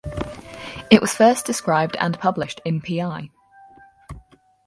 It was first described and published in Pl.